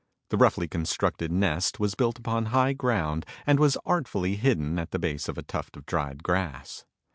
The roughly constructed nest was built upon high ground, and was artfully hidden at the base of a tuft of dried grass.